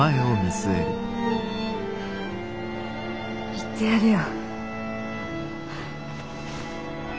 行ってやるよ。